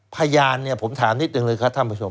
พยานเนี่ยผมถามนิดนึงเลยครับท่านผู้ชม